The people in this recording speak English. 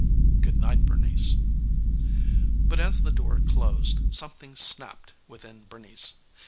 "Good night Bernice." But as the door closed something snapped within Bernice.